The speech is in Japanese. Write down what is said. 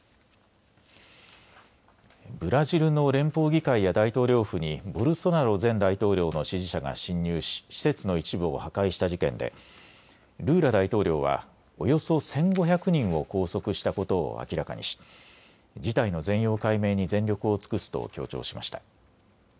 ブラジルの連邦議会や大統領府にボルソナロ前大統領の支持者が侵入し施設の一部を破壊した事件でルーラ大統領はおよそ１５００人を拘束したことを明らかにし事態の全容解明に全力を尽くすと強調しました。